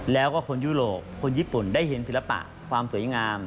แล้วก็คนยุโรปคนญี่ปุ่นได้เห็นศิลปะความสวยงาม